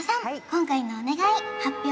今回のお願い発表